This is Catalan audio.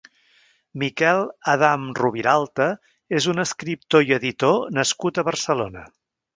Miquel Adam Rubiralta és un escriptor i editor nascut a Barcelona.